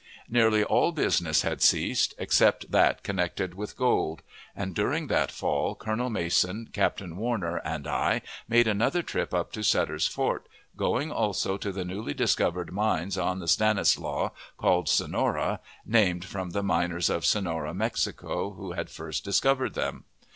Nearly all business had ceased, except that connected with gold; and, during that fall, Colonel Mason, Captain Warner, and I, made another trip up to Sutter's Fort, going also to the newly discovered mines on the Stanislaus, called "Sonora," named from the miners of Sonora, Mexico, who had first discovered them.